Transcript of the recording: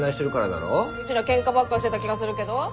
うちらケンカばっかしてた気がするけど？